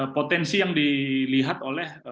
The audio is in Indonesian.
potensi yang dilihat oleh